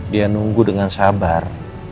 dia nunggu dengan sabar